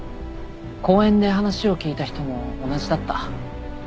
公園で話を聞いた人も同じだった。